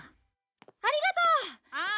ありがとう！ああ！